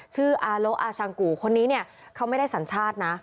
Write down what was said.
อาโลอาชังกูคนนี้เนี่ยเขาไม่ได้สัญชาตินะ